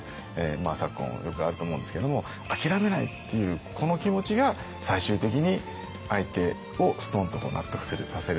昨今よくあると思うんですけれども諦めないっていうこの気持ちが最終的に相手をストンと納得させる